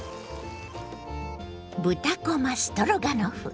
「豚こまストロガノフ」。